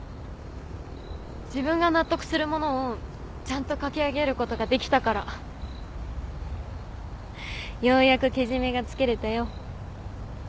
自分が納得するものをちゃんと書き上げることができたからようやくけじめがつけれたよ。